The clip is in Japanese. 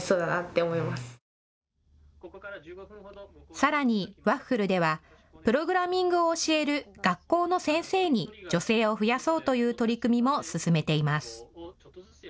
さらにＷａｆｆｌｅではプログラミングを教える学校の先生に女性を増やそうという取り組みも進めています。